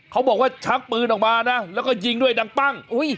บอกว่าชักปืนออกมานะแล้วก็ยิงด้วยดังปั้ง